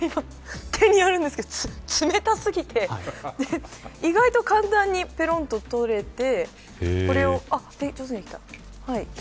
手にあるんですけど冷た過ぎて意外と簡単にぺろんと取れて。